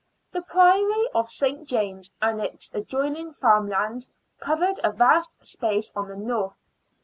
The Priory of St. James, and its adjoining farm lands, covered a vast space on the north.